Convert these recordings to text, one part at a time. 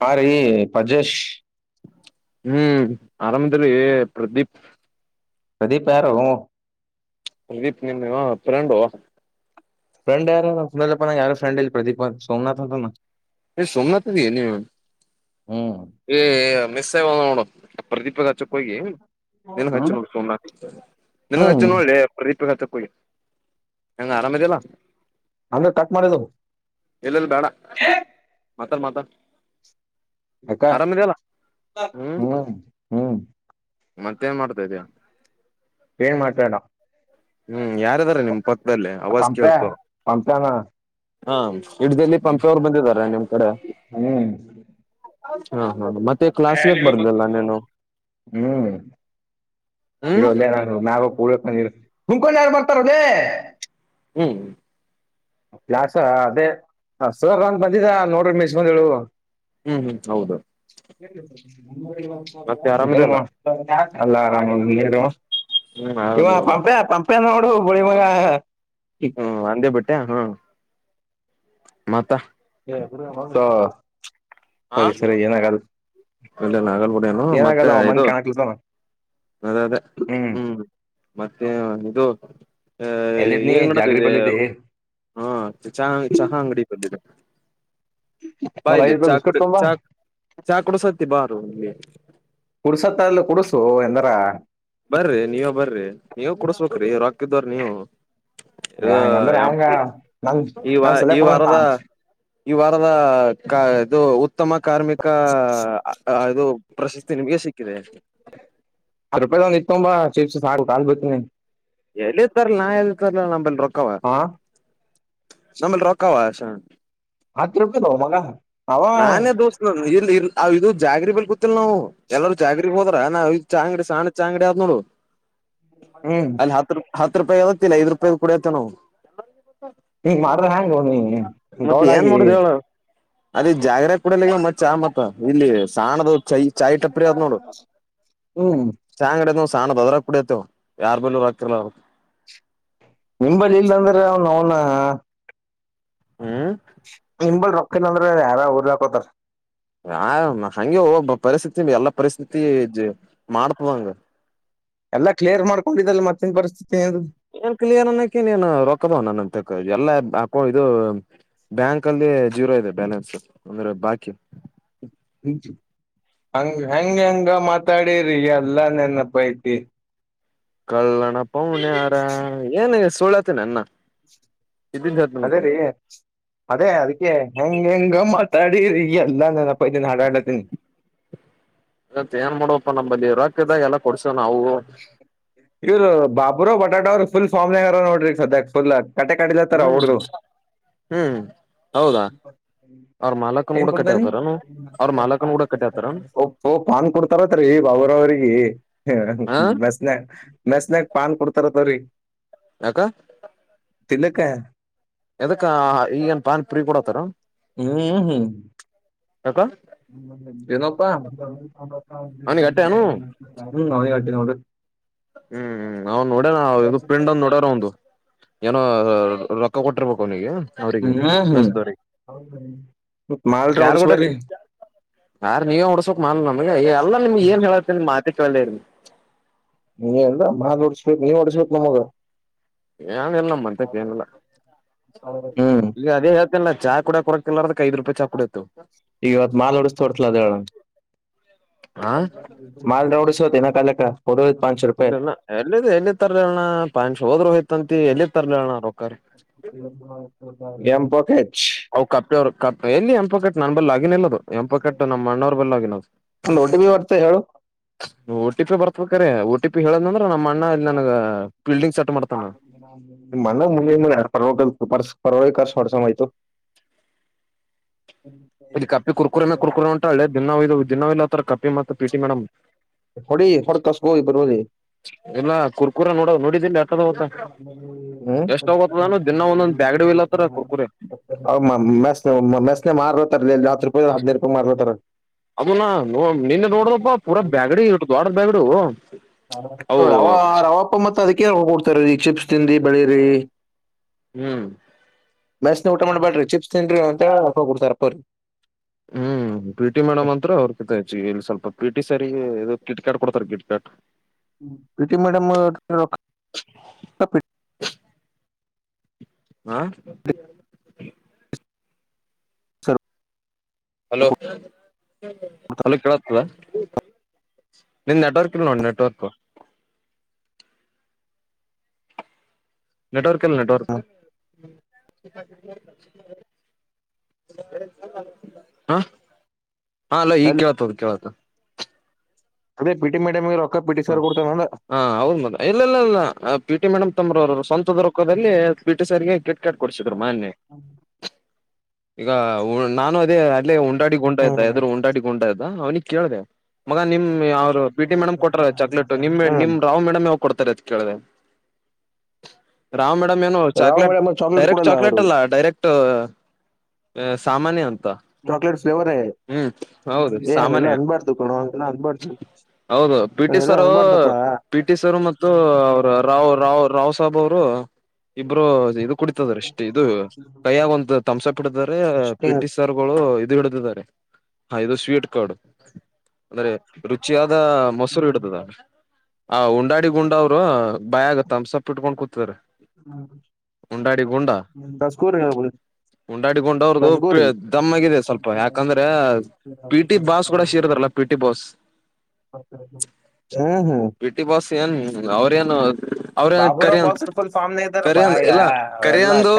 ಹ ರ ಅಜೇಶ್ ಹ್ಮ್ ಆರಾಮದ್ರೀ ಪ್ರದೀಪ್ ಪ್ರದೀಪ್ ಯಾರ ಪ್ರದೀಪ್ ನಿಮ್ಮೆ ಪರಂಡು ್ರೆಂಡ್ ಯಾರುಲ್ಪ ಯು ್ರಂಡ್ ಇಲ್ಲ ಪ್ರದೀಪ್ ಸೋಮನಾಥ್ಂತ ್ ಸೋಮನಾಥ್ದಿ ನೀವ ಹ್ಮ್ ಏ ಮಿಸ್ವ ನೋಡು ಪ್ರದೀಪ ಹಚ್ಚಕ್ ಹೋಗಿ ನನ್ಗ್ ಹಚ್ಚಿ ಹ್ಮ್ ನೋಡ ಸೋಮನಾಥ್ ನನ್ಗ್ ಹ್ಮ್ ಹಚ್ಚು ನೋಡ್ರಿ ಪ್ರದೀಪ್ ಹತ್ತ ಕುಳಿ ಹೆಂಗ ಆರಾಮ್ದಲ್ಲ ಅಮ ಕಟ್ ಮಾಡಿದ್ದ ಮಾತನ್ ಮಾತ ಹ ಹ್ಮ್ ಹ್ಮ್ ಮತ್ತೇನ್ ಮಾಡ್ತಾ ಇದ್ಯಾ ಏನ್ ಮಾತಾಡಾ ಹ್ಮ್ ಯಾರದಾರ ನಿಮ ಪಕ್ಕದಲ್ಲೇ ಅವಾಜ್ ಪಂಪ್ಯಾ ಕೇಳ್ತವ ಪಂಪ್ಯಾನ ಹಂ ಹಿಡ್ದಲ್ಲಿ ಪಂಪೆವರು ಬಂದಿದಾರ ನಿಮ್ ಕಡೆ ಹ್ಮ್ ಹಾ ಹಾ ಮತ್ತೆ ಕ್ಲಾಸ್ಗೆ ಯಾಕ್ ಬರ್ಲಿಲ್ಲ ನೀನು ಹ್ಮ್ ಹ್ಮ್ ಇಲ್ಲ ಪೂ ಕುಂಕೊಂಡ ಯಾರು ಬರ್ತಾರಲ್ಲೇ ಹ್ಮ್ ಕ್ಲಾಾಸ ಅದೇ ಸರ್ ಒಂದ ಬಂದಿದ ನೋಡ್ರಿ ಮೆ ಬಂದೇಳು ಹ್ಮ್ ಹ್ಮ್ ಹೌದು ಹ ಮತ್ತೆ ಆರಾಮದಿಯಲ್ಲ [inaudible] ಅಲ್ಲಾ ಆರಾಮ ನೀರು ಹ್ಮ್ ಇವ ಆರಾಮದಿನಿ ಪಂಪ ಪಂಪ ನೋಡ ಬಳಿ ಮ ಹ್ಮ ಅಂದೇ ಬಟ್ಟೆ ಹಾ ಮಾತ ಸೊ ಸರಿ ಸರಿ ಏನಾಗಲ್ ಇಲ್ಲಲ್ಲ ಆಗಲ್ಬಡಿನು ಮತ್ತೆ ಬಂದ್ ಇದು ಕಾಣಕ್ಲತಾನ ಅ ಅದೇ ಹ್ಮ್ ಮತ್ತೆ ಇದು ಎಲ್ಲಿದ್ನಿ ಈಗ್ ನೋಡ ಜಾಗ್ರಿ ಇದೆ ಬಲ್ಲಿದಿ ಹ ಚಹ ಚಹಾ ಅಂಗಡಿ ಸ ಒಂದ್ ಐದ್ ಬಾಯಲಿ ರೂಪಾಯಿ ಬಿಸ್ಕಟ್ ಚಾಕಡಿ ತೊಂಬಾ ಚಾ ಚಾಕಡು ಸ ಬ ನಿಗೆ ಕುಡ್ಸತ್ತ ಅಲ್ ಕುಡ್ಸು ಎಂದಾರ ಬರ್ರಿ ನೀವೇ ಬರ್ರಿ ನೀವೇ ಕುಡಸ್ಬೇಕ್ರಿರುಾಕ್ಕಿದ್ರ ನೀವು ಂಗ ಇದು ಅಂದ್ರೆ ಹಂಗ ನ ಈ ವ ನ ಸಲ ಈ ಕೊಡ ವಾರದ ಈ ವಾರದ ಇದು ಉತ್ತಮ ಕಾರ್ಮಿಕ ಇದು ಪ್ರಶಸ್ತಿ ನಿಮಗೆ ಸಿ ಕಿದಿ ತಂಬಾ ಚಿಪ್ಸ್ ಸಾಕಲ್ಬ ಎಲ್ಲಿ ಇರ್ತಲ್ಲ ನಾ ಎಲ್ಲಿರ್ತಾರಲ್ಲ ನಂಬಲ್ ಕವಾರ ಹಾ ನಮ್ಮಲ್ಲಿ ರೊಕ್ಕಾವಷ ಹತ್ತು ರೂಪಾಯಿ ನ ಮಗ ಅವ ನಾನೇ ದೋಸ್ ಇದು ಜಾಗ್ರ ಬ ಗೊತ್ತಿಲ್ಲ ನಾವು ಎಲ್ಲರೂ ಜಾಗ್ರಗ್ ಹೋದ ಚಾಂಗಡಿ ಸಾಣ ಚಾಂಗಡಿ ನ ಹ್ಮ್ ಅಲ್ಲಿ ಹತ್ತು ರೂಪ ಹತ್ ರೂಪಾಯಿ ಆಗತ್ತಿಲ್ಲ ಐ್ ರೂಪಾಯಿ ಕುಡಿಯತ್ತ ನಾವು ಹ ಮಾಡ್ರ ಹೆ್ಯಾಂಗ ನೀ ಗೌಡಾಗಿ ಅದ ಜಾಗರಾ ಕೂಡ ಚ ಇಲ್ಲಿ ಸಾಣದ ಚೈ ಚಾಯ್ ಟಪ್ರಿ ಅ ನೋಡು ಹ್ಮ್ ಚ ಅಂಗಡ ನೋ ಸಾಣ ಭದ್ರಾಗ ಕುಡಿಯತವ ಯಾರ್ ಬೆಲ್ಲ ಆಗ್ತಿರ್ಲ್ಲ ಅವ್ರ ನಿಮಂಬಲ್ಲಿಿ ಇಲ್ಂದ್ರೆ ಅವನು ಅವನ ಹ್ಮ್ ಇಂಬಲ್ ರ ಕೆಂದ್ರ ಹಾರ ಹರಕತಾರ ಆಾಮ ಹಗೆ ಒಬ್ಬ ಪರಿಸ್ಥಿತಿ ಎಲ್ಲಾ ಪರಿಸ್ಥಿತಿ ಮಾಡ್ತ್ವಾಂಗ ಎಲ್ಲ ಕ್ಲಿಯರ್ ಮಾಡ್ಕೊಂಡಿದಲ್ಲಿ ಮತ್ತನ್ ಪರಿಸ್ಥಿತಿ ಏನ್ ಕ್ಲಿಯರ್ ಅನ್ನಕಿ ನೀನ್ ರೊಕ್ಕಬೋ ನ ತ ಎಲ್ಲಾ ಅಕೌ ಇದು ಬ್ಯಾಂಕ್ ಅಲ್ಲಿ ಜೀರೋ ಇದೆ ಬ್ಯಾಲೆನ್ಸ್ ಅಂದ್ರೆ ಬಾಕಿ ಹಂಗ ಹೆಂಗ ಹೆಂಗ ಮಾತಾಡರಿಿ ಎಲ್ಲಾ ನೆನಪ್ಪ ಐತಿ ಕಳ್ಳಣ ಪನರ ಏನ ಸುಳತನ ಅನ್ನ ಇದ್ದಿದ್ದ ಅದೇ ಹೇಳ್ತನಪ್ಪ ರೀ ಅದೇ ಅದಕ್ಕೆ ಹೆಂಗ್ ಹೆಂಗ ಅಾಡಿ ಎಲ್ಲ ನನಪ್ಪತೀನ ಹಾಡಾಡತೀನಿ ಮತ್ತತ್ ಏನ್ ಮಾಡುವಪ್ಪ ನಂಬಲ್ಲಿ ರಾಕದಾಗ ಎಲ್ಲ ಕೊಡ್ಸವ ನಾವು ಇವರು ಬಾಬುರ ಬ ಪಟಾ್ರುಫುಲ್ ಸಾಮ್ಗರ ನೋಡ್ರಿ ಸದ್ಯ ಫಲ್ ಆ ಕಟ್ಟೆ ಕಡಿಲತ್ತಾರ ಹ್ಮ್ ಅವಡ್ದು ಹ್ಮ್ ಹೌದಾ ಅವ್ರ ಮಾಲಕನ್ ಕೂಡ ಏನ್ಡ್ತ ಕಟ್ಟಿ ಹತಾರನು ಅವ್ರ ಮಾಲಕನ್ ಕೂಡ ಕಟ್ಟಿ ಹತಾರ ಪಾನ್ ಕೊಡ್ತಾರತ್ೀ ಅವರ ಅವ್ರಿಗೆ ಹ ಬೆಸ್ನಾಗ ಬೆಸ್ನಯಾಗ ಪಾನ್ ಕೊಡ್ತಾರತ್ವ್ರರಿ ಅಕ ತಿಲಕ ಯದಕ್ಕ ಈಗನ್ ಪನ್ಿ ಪುರಿ ಕೂಡತಾರ ಹ್ಮ್್ಮ ಹ್ಮ್ ಯಾಕ ನಪ್ಪ ಅವನಿಗೆ ಇ ಹ್ಮ್್ಮ ನಾವ ನೋಡ್ಯ ಪಿಂಡ್ಂದ ನೋಡ್ಯಾರ ಒಂದು ಏನೋ ರೊ ಕೊಟ್ಟಿರ್ಬೇಕು ಅವನಿಗೆ ಅವ್ರಿಗೆ ಹ್ಮ್ ಹ್ಮ್ ಬವ ಮಾಲ್ರ ಯಾರ್ಗೂಡ ಹೊಡ್ಸ್ಬರ್ರಿ ಯಾರು ನೀವೇ ಹೊಡ್ಸ್ಕ್ ಮ ನಮಗೆ ಎಲ್ಲ ನಿಮ್ಗೆ ಏನ್ ಹೇಳ ಲ್ಲ ನೀ ಅಲ್ಲ ಮಾ್ ಹೊಡಿಸ್ಬೇಕಕ್ ನೀ್ ಹೊಡಿಸ್ಬೇಕಕ್ ನಮಗ ಏನ್ ಎಲ್ಲ ನಮ್ಮಂತಕ್ಕೆ ಏನಲ್ಲ ಹ್ಮ್ ಇ ಅದೇ ಇಲ್ಲ ಚ ಕೂಡ ಕೊರಕ ಇ ಅದ ಐ ರೂಪಾಯಿ ಚ ಕೂಡ ಇತತ್ತು ಈ ಇವತ್ತು ಮಾಲ್ ಉಡಸ್ತೋಡ್ತಲ ಅದ ಹಾ ಮಾಲ್ ಉಡಸ್ೋತಿನ ಕಲಕ ಇಲ್ಲ ಎಲ್ಲಿ ಎಲ್ಲಿ ತರ್ಲ ಅ್ಣ ಪಾಂಷ ಹೋದ್ರು ಹಯ್ತಂತ ಎಲ್ಲಿ ತರ್ಲ ಅ್ಣ ರೊಕ್ಕಾರ್ ಹ ಗ್ಯಾಮ ಪಖೆತ್ ಅವ ಕಪ್ಪೆವರು ಕಪ್ಪೆ ಎಲ್ಲಿ ಎಂಪ ಕಟ್ಟ ನನ್ ಬಲ್ ಆಗಿನಲ್ಲ ಅ ಎಂಪಕಟ್ಟ ನಮ್ಮ ಅ್ಣ್ರ ಬಲ್ಲ ಆಗಿನದು ಒಂದು ರೋಟಿ ಬಿ ಬರ್ತ ಹೇಳು ಟಿ ಪಿ ಬರ್ತಬೇಕ್ರಾರೆ ಟಿ ಪಿ ಹೇಳದ್ಂದ್ರ ಮಾಡ್ತಾನ ಮಾನ ಮು ಮು ಯ ಪರವಾಗ ಪಸ ಪರವಳ ಕ ಸ್ ಹೊಡ್ಸ ಮಾಹಿತು ಇಲ್ಲಿ ಕಪ್ಪಿ ಕುರ್ಕುರೇ ಕ ಕುರ್ಕುರು ಅಂತಟಳ್ಳದು ಜದು ಜಿನ್ನ ಲ ಕಪ್ಪಿ ಮ ಪಿಟಿ ಮೇಡಮ್ ಹೊಡಿ ಹೊಡ್ ಕಸ್ಕೋ ಬರ್ಬೋದಿ ಇಲ್ಲ ಕುರ್ಕುರ ನೋ ನುಡಿ ಹೋಗತ್ತದನು ದಿನ ಒಂದೊಂದ್ ಬ್ಯಾಗಡಿ ಒಯ್ಲತ್ತಾರ ಕುರ್ಕುರೆ ಮೆ ಮೆಸ್ನೆ ಮಾರ್ ಲ ಅದನ್ನ ನಿನ್ನೆ ನೋಡದಪ್ಪ ಪೂರಾ ಬ್ಯಾಗಡಿ ಇ ದೊಡದ ಬ್ಯಾಗಡಿ ರ ರವಪ್ಪ ಮತ್ತೆ ಅದಕ್ಕೆ ಕೊಡ್ತಾರೆ ಈ ಚಿಪ್ಸ್ ತಿಿಂದಿ ಬಳಿ ರೀ ಹ್ಮ್ ಮೆಸ ಊಟ ಮಾಡ್ೇಡ್ರಿ ಚಿಪ್ಸ್ ತಿನ್ಿ ಅಂತ ಹೋಗಿಡ್ತಾರಪ್ಪಪ್ರರಿ ಹ್ಮ್ ಪಿ ಟಿ ಮೇಡಮ್ ಅಂತತ್ರ ಅವ್ರ ಕ ಹೆ ಇಲ್ಲಿ ಸ್ವಲ್ಪ ಪಿಟಿ ಸರಿ ಇದು ಕಿಟ್ ಕಾರ್ಡ್ ಕೊಡ್ತಾರೆ kit card P T madam ಆಾ ರೊಕ್ಕ ಹಲೋ ಹಲೋ ಕೇಳತ್ತದ ನಿ ನೆಟ್ವರ್ಕ್ ಇಲ್ ನೋಡಿ ನೆಟ್ವರ್ಕ್ ನೆಟ್ವರ್ಕ್ ಕೆಲ್ಲ ನೆಟ್ವರ್ಕ್ ಹ ಹಾ ಅಲ್ಲ ಈಗ್ ಕೇಳ್ತ ಕೇಳಳ್ತ ಅದೇ ಪಿಟಿ ಮೇಡಮ್ ಹ ಹಾ ಅವ್ರ ಮಗ ಇಲ್ಲಲ್ಲಲ್ಲ ಪಿಟಿ ಮೇಡಮ್ ತಂಬ್ರ ಅವರು ಸ್ವಂತ ರೊದಲ್ಲಿ ಬಿಟ ಸರಿಗೆ ಿಕಟ್ು ರ್ಮಾನ್ಯ ಈಗ ನಾನು ಅದೇ ಅದ ಉಂಾಡಿ ಗುೊಂಡ ಇದ್ದ ಹ್ಮ್ ಎದುರು ಉಂಟಡಿ ಗುೊಂಡಾ ಇದ್ದ ಅವನಿಗೆ ಕೇಳಿದೆ ಮಗ ನಿಮ್ ಅವ್ರು ಬಿಟಿ ಮೇಡಮ್ ಕೊಟಾರ ಹ್ಮ್ ಚಾಕ್ಲೇಟ್ುಮಮ ರಾವ್ ಮೇಡಮ್ ಯಾವ ಕೊಡ್ತಾರೆ ಅ ಕೇಳ್ರ ರಾಮ ಮೇಡಮ್ ಏನು ರಾವ್ ಚಾಕ್ಲೇಟ್ ಮೇಡಮ್ ಡೈರೆಕ್ಟ್ ಕೊಡಲ್ಲ ಚಾಕ್ಲೇಟ್ ಅವರು ಅಲ್ಲ ಡೈರೆಕ್ಟ್ ಸಾಮಾನ್ಯ ಉಂಟು ಚಾಕ್ಲೇಟ್ ಫ್ಲೇವರೇ ಹ್ಮ್ ಹೌದು ಏ ಹಂಗೆಲ್ಲ ಸಾಮಾನ್ಯ ಅನ್ಬಾರ್ದು ಕಣೋ ಹಂಗೆಲ್ಲ ಅನ್ಬಾರ್ದು ಹೌದು ಪಿ ಟಿ ಹಂಗೆಲ್ಲ ಸರ್ ಅನ್ಬಾರ್ದಪ್ಪ ಪಿ ಟಿ ಸರ್ ಮತ್ತು ಅವರು ರಾವ್ ರಾವ್ ರಾವ್ ಸಾಹಬ್ ಅವರು ಇಬ್ರು ಇ ಕುಡಿತದ್ರ ಅಷ್ಟೇ ಇದು ಕೈಯಾಗ ಒಂತ ತಂಸ ಕಡಿದ್ದಾರೆ ಹಿಂಗ್ ಪಿಟಿ್ ಸರ್ಗಳು ಇದುಗಡದಿದ್ದಾರೆ ಹಾ ಇದು ಸ್ವೀಟ್ ಕಡ್ ಅಂದ್ರೆ ರುಚಿಯಾದ ಮೊಸರು ಇಡತದ ಆ ಉಂಡಾಡಿ ಗುಂಡ ಅವರು ಭಯಾಗಗತ್ತ ಅಂಸಪಟ್ಟುಕೊಂಡ ತ್ರ ಹ ಬಸಕೂ ಬ ಉಂಡಾಡಿಕೊಂಡ ಅವ್ರ್ದು ದಮ್ಮಗಿದೆ ಸ್ವಲ್ಪ ಯಾಕಂದ್ರ ಪಿ ಟಿ ಬಾಸ್ ಕೂಡ ಶೀರ್ದಾರಲ್ಲ ಪಿ ಟಿ ಬಾಸ್ ಹ್ಮ್ ಹ್ಮ್ ಪಿ ಟಿ ಬಾಸ್ ಏನ್ ಅವ್ರೇಏನು ಬಾಬುರಾವ್ ಬಾಸ್ರ್ ಫುಲ್ ಫಾರ್ಮ್ನ ಇದ್ದಾರಪ್ಪಾ ಈಗ ಇಲ್ಲ ಅವ ಎಲ್ಲಾ ಅಕ್ಕ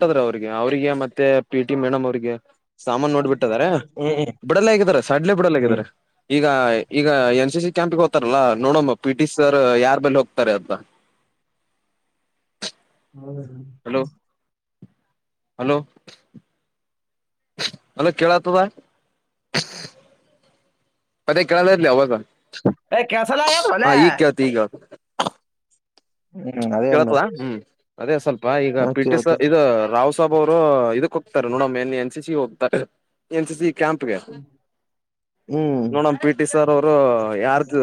ಇದ್ರ ಅವ್ರಿಗೆ ಅವ್ರಿಗೆ ಮತ್ತೆ ಪಿ ಟಿ ಮೇಡಮ್ ಅವ್ರಿಗೆ ಸಾಮಾನ್ ನೋಡ್ಬ ಬಿಟ್ಟದಾರ ಹ್ಮ್ ಬಿಡಲ್ಲ ಆಗಾರ ಸಡ್ಲೆೇ ಬಿಡಲ್ಲ ಹ್ಮ್ ಆಗಿದ್ದಾರೆ ಈಗ ಈಗ ಎನ್ ಸಿ ಸಿ ಕ್ಯಾಂಪಗೆ ಹೋಗ್ತಾರಲ್ಲ ನೋಡಮ್ಮ ಪಿ ಟಿ ಸರ್ ಯಾರ್ ಬಲ್ಲಿ ಹೋಗ್ತಾರೆ ಅಂತ ಹೌ ಹಾ ಹಲೋ ಹಲೋ ಅಲೋ ಕೇಳತದ ಪದೇ ಕೆೇಳ ಇರ್ಲಿ ಅವವಾಗ ಏ ಕೆಸಲ ಆಗ್ಯದ ಹ ಹೊಲೆ ಈ ಕ ಆತಿ ಈಗ ಹ್ಮ್ ಅದೇ ಅಂದ ಕೇಳತದಾ ಹ್ಮ್ ಅದೇ ಸ್ವಲ್ಪ ಈಗ ನಾ ಪಿ ಟಿ ಕೇಳ್ತು ಇ ರಾವ ಬ ಅವರು ಇದಕ್ ಹೋಗ್ತಾರೆ ನೋಡಮ್ಮೆನ್ ಎನ್ ಸಿ ಸಿ ಹೋಗ್ತಾರೆ ಎನ್ ಸಿ ಸಿ ಕ್ಯಾಂಪ್ಗೆ ಹ್ಮ್ ನೋಡ ಪಿ ಟಿ ಸ ಅ ಯಾರ್ದು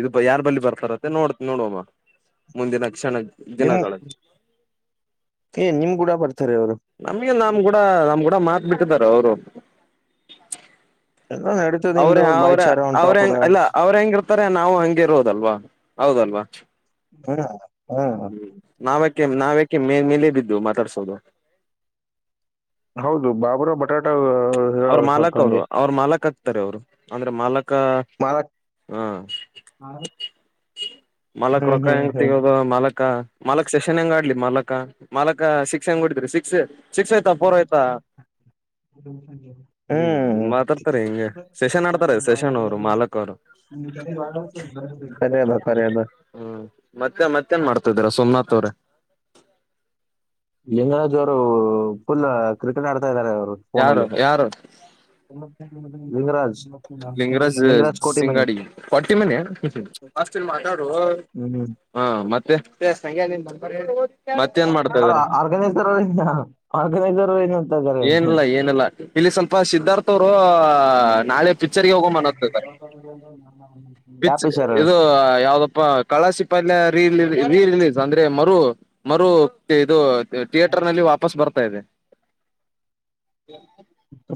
ಇದು ಯಾರ ಬಲ್ಲಿ ಬರ್ತಾರತ್ತ ನೋ ನೋಡೋಮ್ಮ ಮುಂದಿನ ಕ್ಷಣ ನಿಮ ಏ ನಿಮ್ ಕೂಡ ಬರ್ತಾರೆ ಅವರು ನಮ್ಗೆ ನಮ್ ಕೂಡ ನಮ್ ಕೂಡ ಮಾತ್ ಬಿಟ್ಟಾರ ಅವರು ಎಲ್ಲ ನಡೀತದ ಅವ್ರ ನಿಮ್ದವ್ರು ಬಾಯ ಚಾರ ಒಟಾಪ್ದ ತ್ತಾರೆ ನಾವು ಹಂಗಗೆರುದಲ್ವಾ ಹೌದಲ್ವಾ ಹರ ಹ್ಮ್ ನಾವಕ ನಾವ ಮ ಮೇಲೆ ಬಿದ್ದು ಮಾತಾಡ್ಸೋದು ಹೌದು ಬಾಬರ ಬಟಾಟಾ ಅವ್ರ ಮಾಲಕ್ ಅವ್ರು ಅವ್ರ ಮಾಲಕ ಅವರು ಅಂದ್ರೆ ಮಾಲಕ್ ಮಾರಕ್ ಹ ಮಲಕ್ ಹ್ಮ್ ರೊಕ್ಕ ಹ್ಮ್ ಹೆಂಗ ಹ್ಮ್ ತಗೋದು ಮಲಕ್ಕ ಮಲಕ್ ಸೆಷನ್ ಹೆಂಗ ಆಡ್ಲಿ ಮಲಕ ಮಾಲಕ ಸಿಕ್ಸ್ ಹಂಗ್ ಹೊಡೀತಾರೆ ಶಿಕ್ಸ್ ಹ್ಮ್ಮ್ ಹ್ಮ್ ಮಾತಾಡ್ತಾರೆ ಹಿಂಗಗೆ ಸಶನ್ ಆಡ್ತಾರೆ ಸಶನ್ ಅವರು ಮಾಲಕ್ ಅವರು ಸರಿ ಅದ ಸರಿ ಅದ ಹ್ಮ್ ಮತ್ತೆ ಮತ್ತೇನ್ ಮಾಡ್ತಾಿದೀರ ಸೋಮನಾಥ್ ತೋರ ಲಿಂಗರಾಜ್ ಅವರು ಫುಲ್ ಕ್ರಿಕೆಟ್ ಆ ಇದ ಅವರು ಯಾರು ಫೋನಲ್ಲಿ ಯಾರು ಲಂಗರಾಜ್ ಲಿಂಗರಾಜ್ ಸಿಂಗಾಡಿ ಹೊಟ್ಟಿ ಮನಾ ಹ್ಮ್ ಹ್ಮ್ ಹ ಮತ್ತೆ ಹ ಅವರು ಆರ್ಗನೈಸರ್ ಅವ ಆರ್ಗನೈಸರ್ ಅವ ಏನು ಏನಲ್ಲ ಏನಲ್ಲ ಇಲ್ಲಿ ಸ್ವಲ್ಪ ಸಿದ್ಧಾರ್ಥ ಅವರು ನಾಳೆ ಪಿಕ್ಚರ್ಗೆ ಹೋಗಂಬ ಹಾರೆ ಪಿ ಯಾವ ಪಿಕ್ಚರ್ ಇದು ಯಾವ್ದಪ್ಪ ಕಳಶಿಪಲ್ಯ ರೀರಿಲೀಸ್ ಅಂದ್ರೆ ಮರು ಮರು ಇದು ಥಿಯೇಟರ್ ನಲ್ಲಿ ವಾಪಸ್ ಬತ ಪ್ಪ ಇದೆ ಹ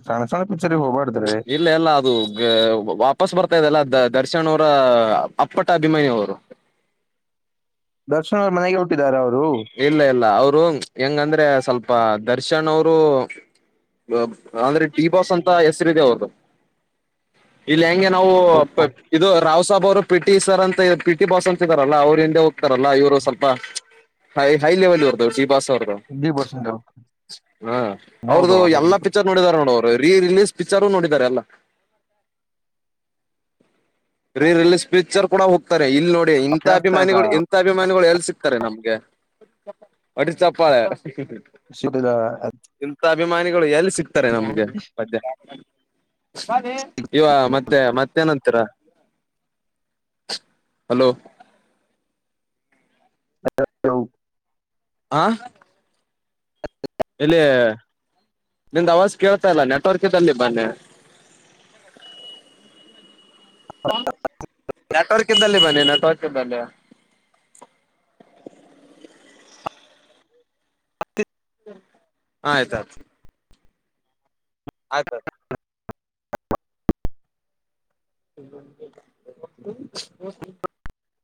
ಸಣ್ಣ ಸಣ್ಣ ಪಿಕ್ಚರ್ಗೆ ಹೋಗ್ಬಾರ್ದ್ರಿ ಇಲ್ಲ ಎಲ್ಲ ಅದು ವಾಪಸ್ ಬರ್ತ ಗತದೆಲ್ಲ ದ ದರ್ಶನ್ ಅವರ ಅಪ್ಪಟ್ಟ ಅಭಿಮಾನಿ ಅವರು ದರ್ಶನ್ ಅವ್ರ ಮನೆಗೆ ಹುಟ್ಟಿದ್ದಾರೆ ಅವ್ರು ಇಲ್ಲ ಇಲ್ಲ ಅವ್ರು ಹೆಂಗಂದ್ರೆ ಸ್ವಲ್ಪ ದರ್ಶನ್ ಅವರು ಅವರು ಅಂದ್ರೆ ಡಿ ಬಾಸ್ ಅಂತ ಹೆಸರುಿದೆ ಹೌದು ಇಲ್ಲ ಹಗೆ ನಾವು ಇದು ರ ಬ್ ಅವರು ಪಿಟಿ ಸರ್ ಅಂತ ಪಿಟಿ ಬಾಸ್ ಅಂತಿದಾರಲ್ಲ ಅವರು ಂಡೆ ಹೋಗ್ತಾರಲ್ಲ ಇವರು ಸ್ವಲ್ಪ ಹೈ ಹೈ ಲೆವೆಲ್ ಹೊರ್ತದೆ ಈಿ ಬಾಾಸ ಡಿ ಬಸಂತವ್ರು ಹ ಹೌದು ಅವ್ರ್ದು ಹೌದು ಎಲ್ಲಾ ಹೌದು ಪಿಕ್ಚರ್ ನೋಡಿದ್ದಾರೆ ನೋಡರು ರೀರಿಲೀಸ್ ಪಿಚರು ನೋಡಿದ್ದಾರೆ ಅಲ್ಲ ೀರಿಲೀಸ್ ಪಿಕ್ಚರ್ ಕೂಡ ಹೋಗ್ತದೆ ಇಲ್ ನೋಡಿ ಆ ಇಂಥ ಕೇಳಿಸ್ತಾ ಇಲ್ಲ ಅಭಿಮಾನಿಗಳು ಇಂತ ಅಭಿಮಾನಿಗಳು ಎಲ್ ಸಿಗ್ತಾರೆ ನಮ್ಗೆ ಒಡ ಚಪ್ಪಾಳೆ ಸಿಗುದಿಲ್ಲ ಇಮ ಅಭಿಮಾನಿಗಳು ಎಲ್ಲಿ ಸಿಕ್ ನಮ್ಗೆ ಮಧ್ಯಾ ಇವ ಮತ್ತೆ ಮತ್ತೇನಂತೀರ ಹಲೋ ಅ ಯೌ ಆ ಇಲ್ಲಿ ನಿಮ್ದ ಅವಾಜ ಕೇಳ್ತಾ ಇಲ್ಲ ನೆಟ್ವರ್ಕ್ಲ್ಲಿ ಬನ್ನಿ ಡಾಕ್ಟರ್ ದಲ್ಲಿ ಬನೆ ನ ಕಕಿದ್ದಲ್ಲ ಆಯ್ತ ಆಾಯ್ತು ಆಯ್ತ ಆತು [inaudible] [inaudible]